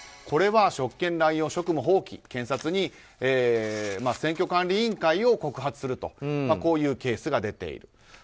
これは職権乱用職務放棄検察に選挙管理員会を告発するとこういうケースが出ている。